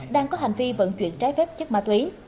đang có hành vi vận chuyển trái phép chất ma túy